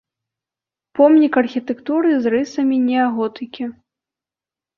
Помнік архітэктуры з рысамі неаготыкі.